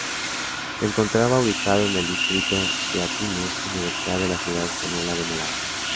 Se encontraba ubicado en el distrito Teatinos-Universidad de la ciudad española de Málaga.